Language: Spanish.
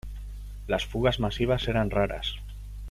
Las fugas masivas eran raras.